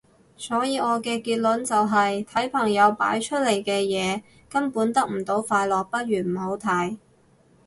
所以我嘅結論就係睇朋友擺出嚟嘅嘢根本得唔到快樂，不如唔好睇